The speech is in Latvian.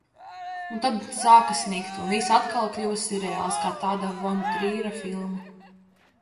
Un tad sāka snigt un viss atkal kļuva sirreāls. Kā tāda von Trīra filma.